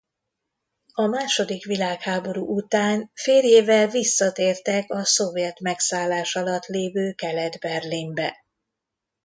A második világháború után férjével visszatértek a szovjet megszállás alatt lévő Kelet-Berlinbe.